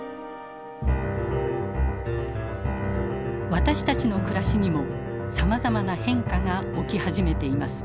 私たちの暮らしにもさまざまな変化が起き始めています。